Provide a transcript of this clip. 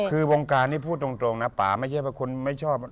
คือวงการนี้พูดตรงนะป่าไม่ใช่ว่าคนไม่ชอบ